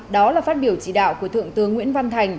đó là phát biểu chỉ đạo của thượng tướng nguyễn văn thành